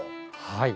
はい。